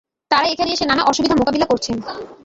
তাঁরা এখানে এসে নানা অসুবিধা মোকাবিলা করছেন।